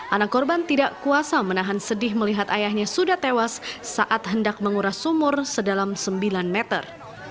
anak korban tidak kuasa menahan sedih melihat ayahnya sudah tewas saat hendak menguras sumur sedalam sembilan meter